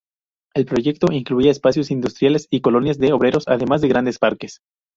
El proyecto incluía espacios industriales y colonias de obreros, además de grandes parques.